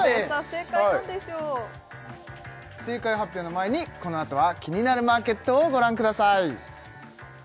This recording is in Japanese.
正解発表の前にこのあとは「キニナルマーケット」をご覧ください